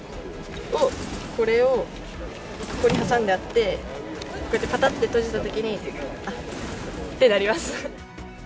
これを、ここに挟んであって、こうやってぱたっと閉じたときに、あっ、てなります。